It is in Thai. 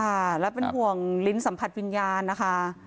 ค่ะแล้วเป็นห่วงลิ้นสัมผัสวิญญาณนะคะ